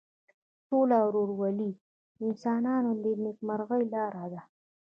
سوله او ورورولي د انسانانو د نیکمرغۍ لاره ده.